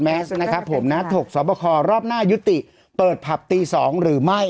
แม็กซ์นะครับผมนัดถกสวบคอรอบหน้ายุติเปิดผับตีสองหรือไม่